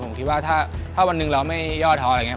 ผมคิดว่าถ้าวันหนึ่งเราไม่ย่อท้ออะไรอย่างนี้